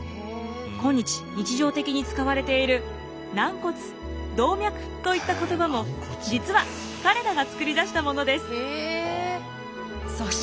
今日日常的に使われている軟骨動脈といった言葉も実は彼らが作り出したものです。